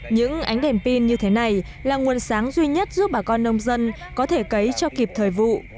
những ánh đèn pin như thế này là nguồn sáng duy nhất giúp bà con nông dân có thể cấy cho kịp thời vụ